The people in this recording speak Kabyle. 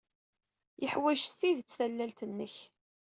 Yeḥwaj s tidet tallalt-nnek.